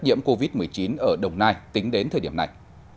nhiễm covid một mươi chín ở đồng nai tính đến thời điểm này